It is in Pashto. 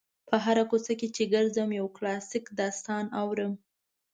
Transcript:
په هره کوڅه کې چې ګرځم یو کلاسیک داستان اورم.